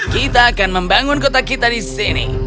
kita akan membangun kota kita di sini